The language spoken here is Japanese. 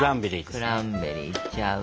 クランベリーいっちゃう？